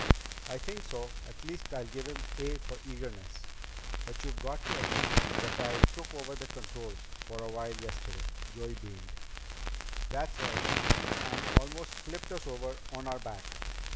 "I think so. At least, I give him 'A' for eagerness." "But you've got to admit that I took over the controls for a while yesterday." Joey beamed. "That's right. And almost flipped us over on our back.